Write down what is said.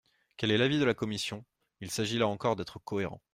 Quel est l’avis de la commission ? Il s’agit là encore d’être cohérent.